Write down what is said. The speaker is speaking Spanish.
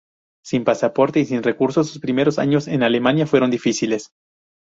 Sin pasaporte y sin recursos, sus primeros años en Alemania fueron difíciles.